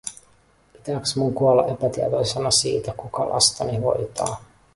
Pitääks mun kuolla epätietoisena siitä, kuka lastani hoitaa?